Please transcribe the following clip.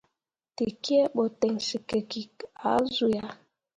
Tekie ɓo ten sǝkikki ah zu yah.